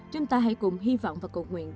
chúng ta hãy cùng hy vọng và cầu nguyện